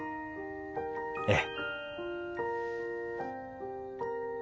ええ。